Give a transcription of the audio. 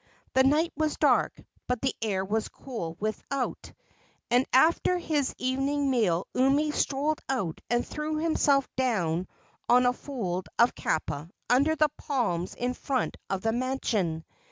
The night was dark, but the air was cool without, and after his evening meal Umi strolled out and threw himself down on a fold of kapa under the palms in front of the mansion.